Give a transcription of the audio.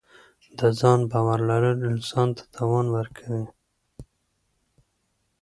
د ځان باور لرل انسان ته توان ورکوي.